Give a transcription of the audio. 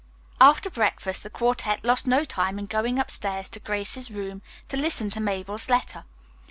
After breakfast, the quartette lost no time in going upstairs to Grace's room to listen to Mabel's letter.